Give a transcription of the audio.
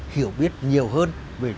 hiểu biết nhiều hơn về